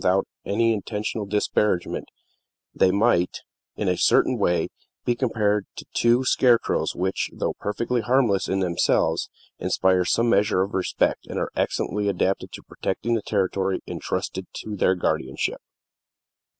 Without any intentional disparagement they might, in a certain way, be compared to two scarecrows which, though perfectly harmless in themselves, inspire some measure of respect, and are excellently adapted to protect the territory intrusted to their guardianship.